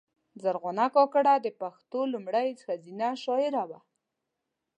زرغونه کاکړه د پښتو لومړۍ ښځینه شاعره وه .